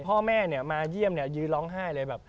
พ่อแม่มาเยี่ยมยื้อร้องไห้เลย